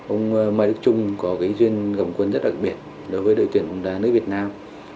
ông mai đức trung có cái duyên gầm quân rất đặc biệt đối với đội tuyển nữ việt nam